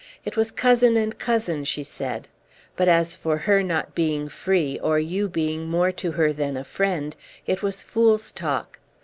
It was cousin and cousin, she said; but as for her not being free, or you being more to her than a friend, it was fool's talk.